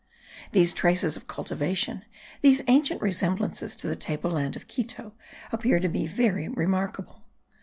These traces of cultivation these ancient resemblances to the table land of Quito appear to me very remarkable.